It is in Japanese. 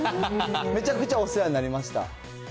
めちゃくちゃお世話になりました。